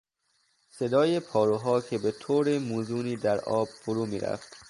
صدای پاروها که به طور موزونی در آب فرو میرفت.